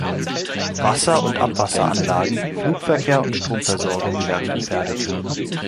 Wasser- und Abwasseranlagen, Flugverkehr und Stromversorgung wären gefährdet.